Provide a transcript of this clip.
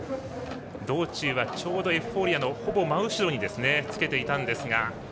道中はエフフォーリアのほぼ真後ろにつけていたんですが。